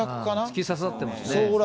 突き刺さってますね。